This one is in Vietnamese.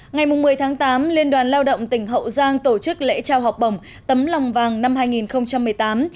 ngày một mươi tháng tám liên đoàn lao động tỉnh hậu giang tổ chức lễ trao học bổng tấm lòng vàng năm hai nghìn một mươi tám